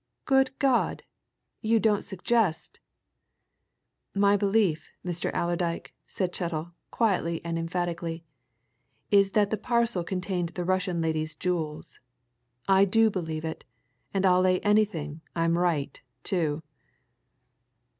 "Good God! you don't suggest " "My belief, Mr. Allerdyke," said Chettle, quietly and emphatically, "is that the parcel contained the Russian lady's jewels! I do believe it and I'll lay anything I'm right, too."